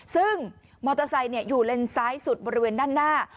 ซึ่งมอเตอร์ไซค์อยู่เลนซ้ายสุดบริเวณด้านหน้า